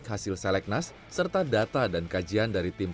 karena sea games pertama juga untuk pengalaman